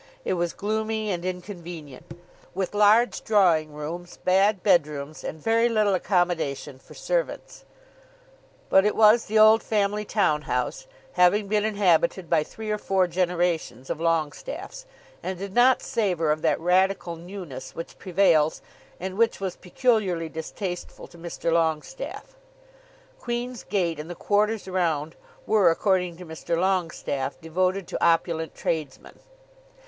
It was gloomy and inconvenient, with large drawing rooms, bad bedrooms, and very little accommodation for servants. But it was the old family town house, having been inhabited by three or four generations of Longestaffes, and did not savour of that radical newness which prevails, and which was peculiarly distasteful to Mr. Longestaffe. Queen's Gate and the quarters around were, according to Mr. Longestaffe, devoted to opulent tradesmen.